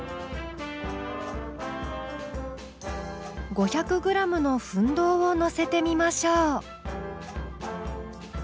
５００ｇの分銅をのせてみましょう。